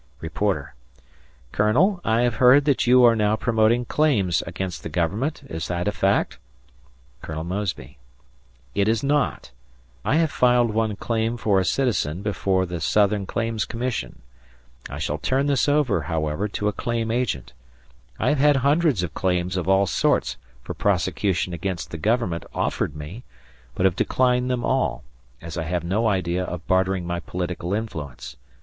Reporter: "Colonel, I have heard that you are now promoting claims against the Government, is that a fact?" Colonel Mosby: "It is not. I have filed one claim for a citizen before the Southern Claims Commission. I shall turn this over, however, to a claim agent. I have had hundreds of claims of all sorts for prosecution against the Government offered me, but have declined them all, as I have no idea of bartering my political influence.